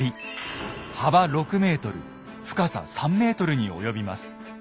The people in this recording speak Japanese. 幅６ｍ深さ３ｍに及びます。